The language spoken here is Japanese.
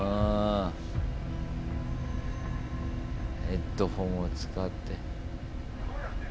ヘッドホンを使って。